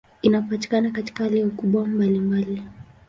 Inapatikana katika hali na ukubwa mbalimbali.